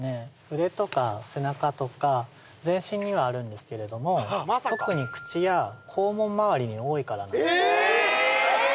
腕とか背中とか全身にはあるんですけれども特に口や肛門まわりに多いからなんですええ